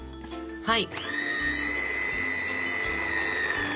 はい！